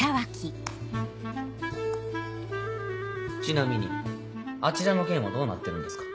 ちなみにあちらの件はどうなってるんですか？